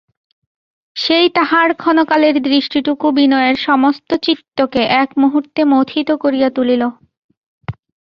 সেই তাহার ক্ষণকালের দৃষ্টিটুকু বিনয়ের সমস্ত চিত্তকে এক মুহূর্তে মথিত করিয়া তুলিল।